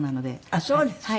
あっそうですか。